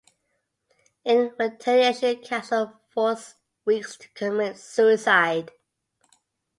In retaliation, Castle forces Weeks to commit suicide.